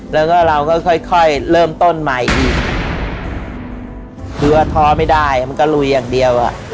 แล้วก็เราก็ค่อยค่อยเริ่มต้นใหม่อีกคือว่าท้อไม่ได้มันก็ลุยอย่างเดียวอ่ะ